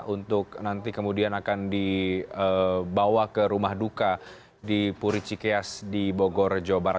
untuk nanti kemudian akan dibawa ke rumah duka di puricikeas di bogor jawa barat